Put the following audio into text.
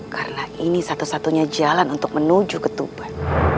karena ini satu satunya jalan untuk menuju ketuban